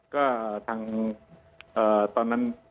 ก็ทางตอนนั้น